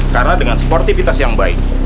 karena dengan sportivitas yang baik